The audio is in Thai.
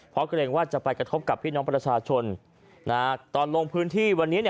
เพราะเกรงว่าจะไปกระทบกับพี่น้องประชาชนตอนลงพื้นที่วันนี้